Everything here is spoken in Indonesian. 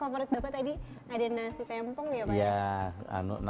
covered dapat tadi ada nasi tempong ya pak ya